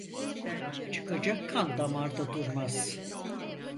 Çıkacak kan damarda durmaz.